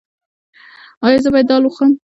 ایا زه باید دال وخورم؟